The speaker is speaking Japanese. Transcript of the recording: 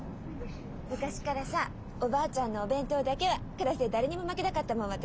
昔からさおばあちゃんのお弁当だけはクラスで誰にも負けなかったもん私。